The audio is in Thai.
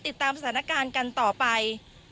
ติดตามสถานการณ์กันต่อไป